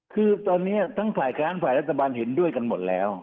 คือตอนนี้ทั้งฝ่ายค้านฝ่ายรัฐบาลเห็นด้วยกันหมดแล้ว